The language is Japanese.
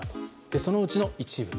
そのうちの一部。